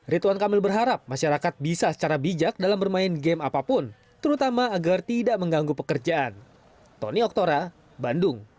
rituan kamil berharap masyarakat bisa secara bijak dalam bermain game apapun terutama agar tidak mengganggu pekerjaan